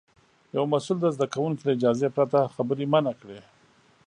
یو مسوول د زده کوونکي له اجازې پرته خبرې منع کړې.